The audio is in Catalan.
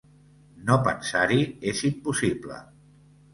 No pensar-hi és impossible.